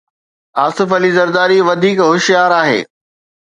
آصف علي زرداري وڌيڪ هوشيار آهي.